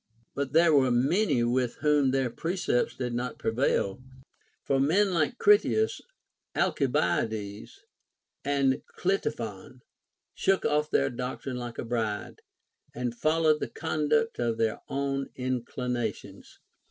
But there were many with whom their precepts did not prevail ; for men like Critias, Alcibiades, and Cleitophon shook off their doctrine like a bridle, and followed the conduct of their own inclinations.